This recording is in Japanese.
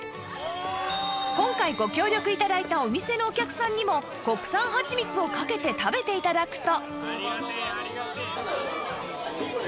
今回ご協力頂いたお店のお客さんにも国産はちみつをかけて食べて頂くと